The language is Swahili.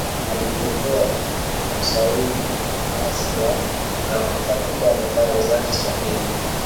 aligundua usawiri hasi wa mwanamke katika methali za Kiswahili